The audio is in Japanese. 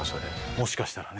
「もしかしたらね」。